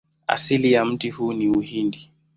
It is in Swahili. Asili ya mti huu ni Uhindi.